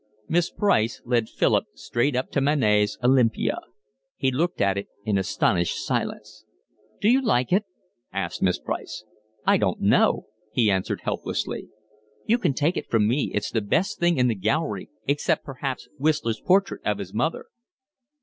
Miss Price led Philip straight up to Manet's Olympia. He looked at it in astonished silence. "Do you like it?" asked Miss Price. "I don't know," he answered helplessly. "You can take it from me that it's the best thing in the gallery except perhaps Whistler's portrait of his mother."